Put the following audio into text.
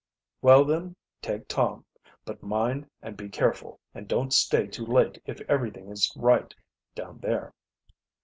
"Well, then, take Tom. But mind and be careful, and don't stay too late if everything is right, down there."